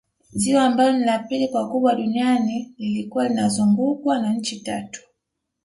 Ziwa ambalo ni la pili kwa ukubwa duniani likiwa linazungukwa na nchi Tatu